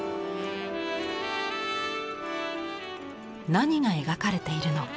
何が描かれているのか？